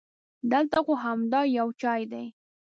دلته خو همدا یو چای دی.